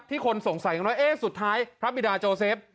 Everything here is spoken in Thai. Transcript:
ที่คนสงสัยอย่างน้อยเอ๊ะสุดท้ายพระบิดาโจเซฟ